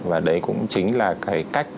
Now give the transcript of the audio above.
và đấy cũng chính là cái cách